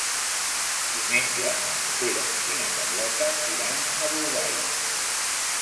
Diumenge en Pere i na Carlota iran a Bolbait.